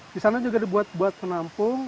di sana juga dibuat buat penampung